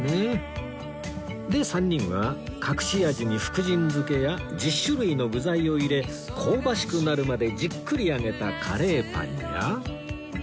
で３人は隠し味に福神漬けや１０種類の具材を入れ香ばしくなるまでじっくり揚げたカレーパンや